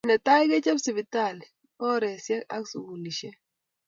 Netai, kechob sipitali, oresiek ak sukulisiek